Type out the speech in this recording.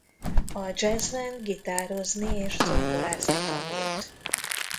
A jazz-en gitározni és zongorázni tanult.